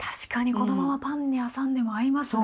このままパンに挟んでも合いますね。